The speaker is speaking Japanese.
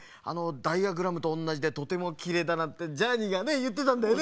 ダイヤグラムとおんなじでとてもきれいだなんてジャーニーがねいってたんだよね。